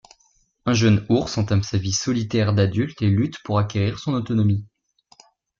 Un jeune ours entame sa vie solitaire d'adulte et lutte pour acquérir son autonomie.